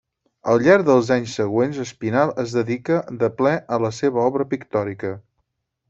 Al llarg dels anys següents Espinal es dedica de ple a la seva obra pictòrica.